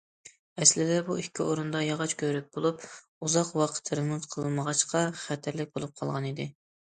ئەسلىدە بۇ ئىككى ئورۇندا ياغاچ كۆۋرۈك بولۇپ، ئۇزاق ۋاقىت رېمونت قىلىنمىغاچقا، خەتەرلىك بولۇپ قالغانىدى.